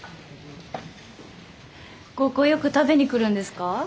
ここよく食べに来るんですか？